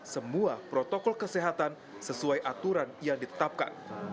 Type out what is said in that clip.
semua protokol kesehatan sesuai aturan yang ditetapkan